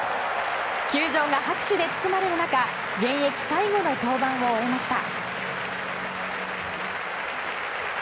球場が拍手で包まれる中現役最後の登板を終えました。